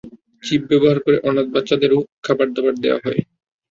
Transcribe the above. Chip ব্যাবহার করে অনাথ বাচ্চাদেরও খাবার-দাবার দেওয়া হয়।